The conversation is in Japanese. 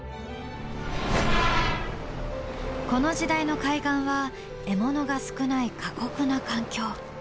この時代の海岸は獲物が少ない過酷な環境。